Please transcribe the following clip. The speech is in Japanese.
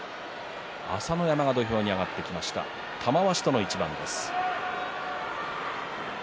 朝乃山が土俵に上がってきました玉鷲との一番です。